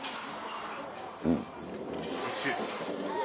うん。